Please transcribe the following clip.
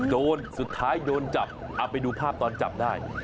สุดท้ายโดนจับเอาไปดูภาพตอนจับได้